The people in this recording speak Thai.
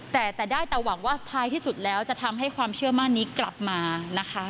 แต่แต่ได้แต่หวังว่าท้ายที่สุดแล้วจะทำให้ความเชื่อมั่นนี้กลับมานะคะ